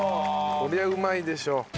こりゃうまいでしょ。